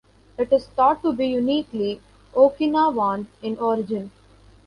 It is thought to be uniquely Okinawan in origin.